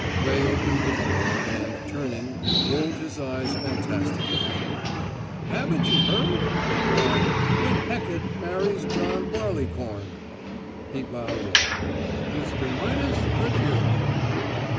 Ray opened the door, and, turning, rolled his eyes fantastically. "Haven't you heard?" he cried. "When Hecate marries John Barleycorn!" He bowed low. "Mr. Midas, adieu."